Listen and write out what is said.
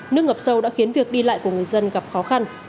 nước ngập sâu đã khiến việc đi lại của người dân gặp khó khăn